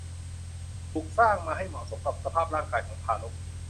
ถูกสร้างมาให้เหมาะสมกับสภาพร่างกายของทารก